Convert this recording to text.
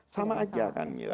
sama aja kan